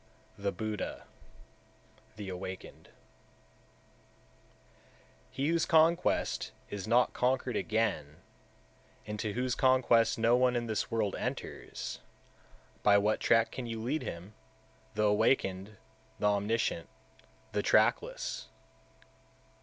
The Buddha (The Awakened) 179. He whose conquest is not conquered again, into whose conquest no one in this world enters, by what track can you lead him, the Awakened, the Omniscient, the trackless?